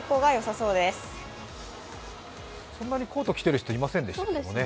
そんなにコート着てる人いませんでしたね。